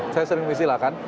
saya sering menistilahkan